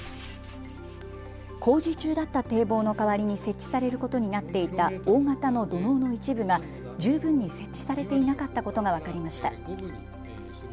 工事中だった堤防の代わりに設置されることになっていた大型の土のうの一部が十分に設置されていなかったことが分かりました。